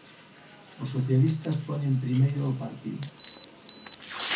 Os socialistas poñen primeiro o partido.